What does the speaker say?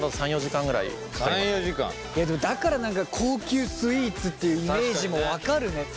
僕らのだから何か高級スイーツっていうイメージも分かるね。